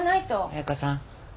彩佳さん。